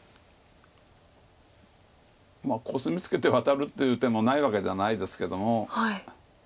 まあコスミツケてワタるっていう手もないわけではないですけども。